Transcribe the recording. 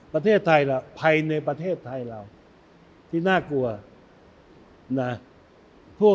ประเทศไทยภัยในประเทศไทยเราที่น่ากลัว